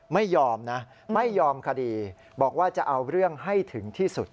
ไม่ยอมนะไม่ยอมคดีบอกว่าจะเอาเรื่องให้ถึงที่สุด